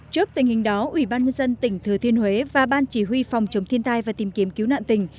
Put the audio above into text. trước tình hình đó ubnd tỉnh thừa thiên huế và ban chỉ huy phòng chống thiên tai và tìm kiếm cứu nạn tình